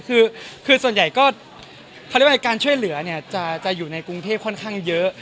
คือส่วนใหญ่การช่วยเหลือจะอยู่ในกรุงเทพฯค่อนข้างเยอะ